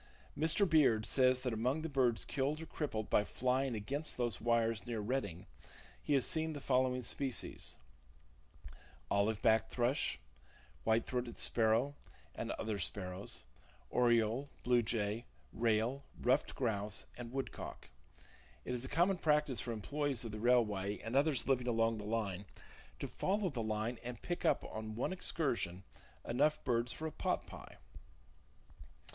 Mr. Beard says that among the birds killed or crippled by flying against those wires near Redding he has seen the following species: olive backed thrush, white throated sparrow and other sparrows, oriole, blue jay, rail, ruffed grouse, and woodcock. It is a common practice for employees of the railway, and others living along the line, to follow the line and pick up on one excursion enough birds for a pot pie.